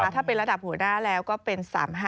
ถ้าเป็นระดับหัวหน้าแล้วก็เป็น๓๕